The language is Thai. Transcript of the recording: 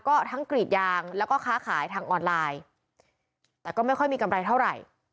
ก็ทั้งกรีดยางแล้วก็ค้าขายทางออนไลน์แต่ก็ไม่ค่อยมีกำไรเท่าไหร่